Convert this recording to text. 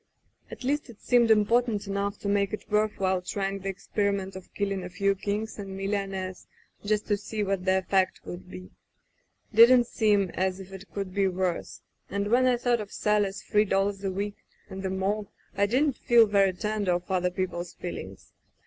'^At least it seemed important enough to make it worth while trying the experiment of killing a few kings and millionaires just to see what the effect would be. Didn't seem as if it could be worse — and when I thought of Sally's three dollars a week, and the morgue, I didn't feel very tender of other people's feelings.